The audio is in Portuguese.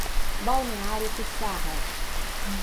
Balneário Piçarras